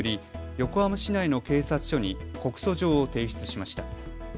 横浜市内の警察署に告訴状を提出しました。